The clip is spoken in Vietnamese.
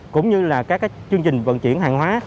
cũng như là các chương trình vận chuyển hàng hóa